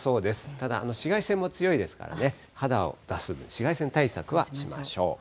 ただ、紫外線も強いですからね、肌を出すのに紫外線対策はしましょう。